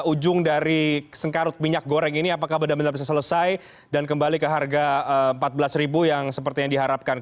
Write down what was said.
ujung dari sengkarut minyak goreng ini apakah benar benar bisa selesai dan kembali ke harga rp empat belas yang seperti yang diharapkan